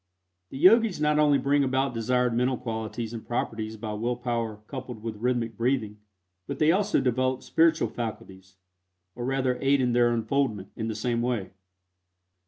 The Yogis not only bring about desired mental qualities and properties by will power coupled with rhythmic breathing, but they also develop spiritual faculties, or rather aid in their unfoldment, in the same way.